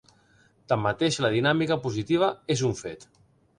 Tanmateix, la dinàmica positiva és un fet.